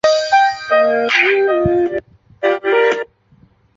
续作增加了更多的泰坦机甲和铁驭武器以及单人故事模式。